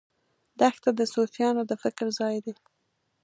دښته د صوفیانو د فکر ځای دی.